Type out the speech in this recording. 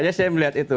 ya saya melihat itu